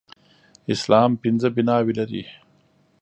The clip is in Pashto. اسلام پنځه بناوې لري